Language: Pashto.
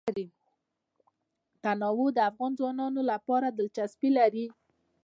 تنوع د افغان ځوانانو لپاره دلچسپي لري.